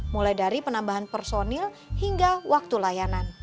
mulai dari penambahan personil hingga waktu layanan